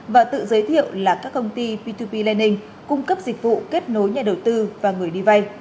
và tự giới thiệu là các công ty p hai p lending cung cấp dịch vụ kết nối nhà đầu tư và người đi vay